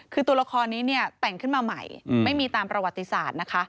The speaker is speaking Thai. คือตัวละครนี้เนี่ยแต่งขึ้นมาใหม่ไม่มีตามประวัติศาสตร์นะคะ